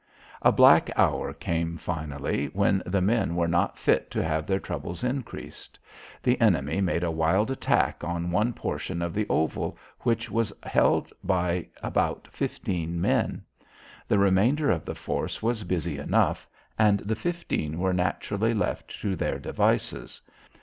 A black hour came finally, when the men were not fit to have their troubles increased. The enemy made a wild attack on one portion of the oval, which was held by about fifteen men. The remainder of the force was busy enough, and the fifteen were naturally left to their devices.